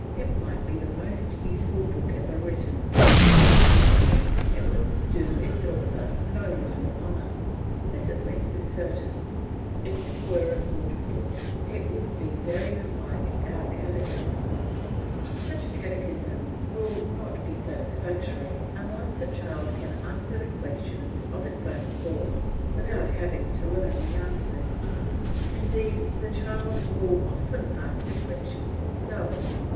It might be the most useful book ever written, and, in my opinion, it would do its author no little honour. This at least is certain if it were a good book it would be very unlike our catechisms. Such a catechism will not be satisfactory unless the child can answer the questions of its own accord without having to learn the answers; indeed the child will often ask the questions itself.